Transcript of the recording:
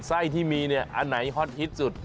๗ไส้ที่มีนี่อันไหนฮัตซ์ฮิตสุด